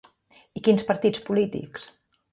I quins partits polítics?